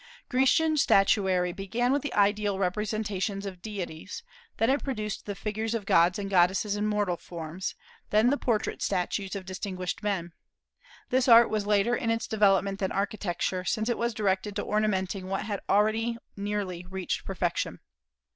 Grecian statuary began with ideal representations of deities; then it produced the figures of gods and goddesses in mortal forms; then the portrait statues of distinguished men. This art was later in its development than architecture, since it was directed to ornamenting what had already nearly reached perfection.